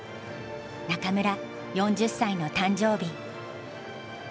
中村４０歳の誕生日。